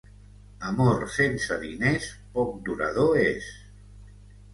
Amor sense diners poc durador és.